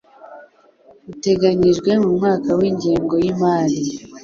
buteganyijwe mu mwaka w Ingengo y Imari